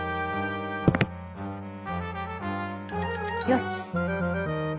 「よし」。